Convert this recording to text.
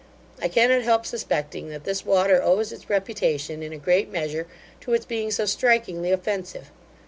I cannot help suspecting, that this water owes its reputation in a great measure to its being so strikingly offensive.